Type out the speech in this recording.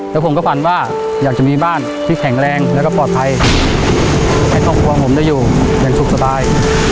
แล้วผมก็ฝันว่าอยากจะมีบ้านที่แข็งแรงแล้วก็ปลอดภัยให้ครอบครัวผมได้อยู่อย่างสุขสบาย